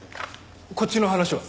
こっちの話は？